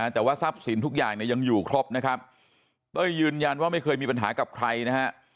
แต่ว่าทรัพย์สินทุกอย่างเนี่ยยังอยู่ครบนะครับเต้ยยืนยันว่าไม่เคยมีปัญหากับใครนะฮะ